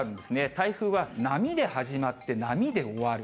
台風は波で始まって、波で終わる。